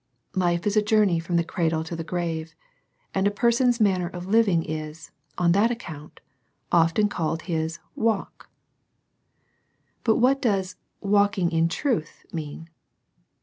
Life is a journey fi*om the cradle to the grave, and a person's manner of living is, on that account, often called his " walkP But what does ^''walking in truth^^ mean?